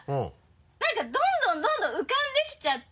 なんかどんどんどんどん浮かんできちゃって。